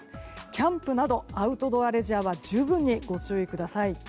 キャンプなどアウトドアレジャーは十分にご注意ください。